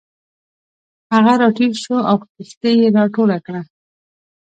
هغه راټیټ شو او کښتۍ یې راټوله کړه.